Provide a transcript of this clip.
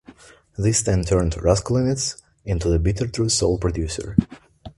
This then turned Raskulinecz into "The Bitter Truth"s sole producer.